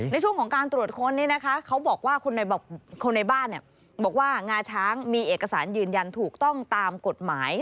ในช่วงของการตรวจค้นเขาบอกว่าคนในบ้านบอกว่างาช้างมีเอกสารยืนยันถูกต้องตามกฎหมาย